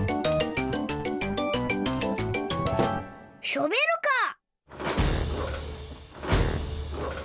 ショベルカー。